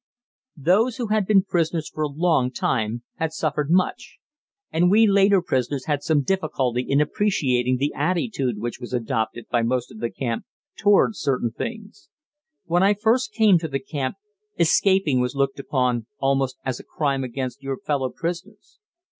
Those who had been prisoners for a long time had suffered much; and we later prisoners had some difficulty in appreciating the attitude which was adopted by most of the camp towards certain things. When I first came to the camp, escaping was looked upon almost as a crime against your fellow prisoners.